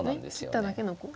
切っただけのコウ。